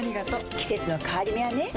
季節の変わり目はねうん。